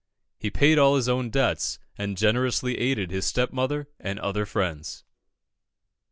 He paid all his own debts, and generously aided his stepmother and other friends.